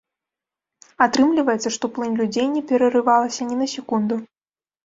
Атрымліваецца, што плынь людзей не перарывалася ні на секунду.